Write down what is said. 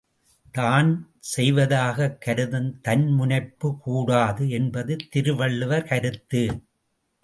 தான் செய்வதாகக் கருதும் தன்முனைப்புக் கூடாது என்பது திருவள்ளுவர் கருத்து.